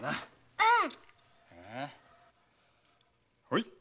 うん。